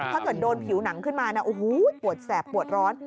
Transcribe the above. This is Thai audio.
ถ้าเกิดโดนผิวหนังขึ้นมานะโอ้โหปวดแสบปวดร้อน